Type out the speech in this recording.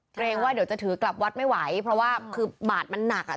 เกรงว่าเดี๋ยวจะถือกลับวัดไม่ไหวเพราะว่าคือบาทมันหนักอ่ะ